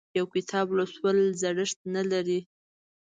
یو کتاب لوستل زړښت نه لري.